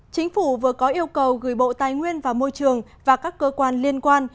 chính phủ vừa có yêu cầu gửi bộ tài nguyên và môi trường và các cơ quan liên quan